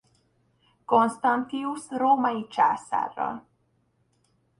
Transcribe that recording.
Constantius római császárral.